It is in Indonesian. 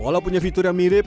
walau punya fitur yang mirip